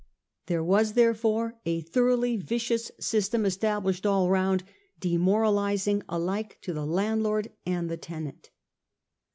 There was, therefore, a thoroughly vicious system established all round, demoralising alike to the landlord and the tenant.